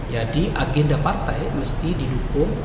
jadi agenda partai mesti didukung